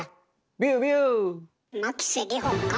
牧瀬里穂か？